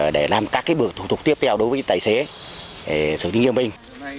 để làm các bước thủ tục tiếp theo đối với tài xế sự nghiêm binh